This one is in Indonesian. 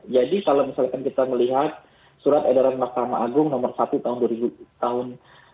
jadi kalau misalkan kita melihat surat edaran mahkamah agung nomor satu tahun dua ribu tahun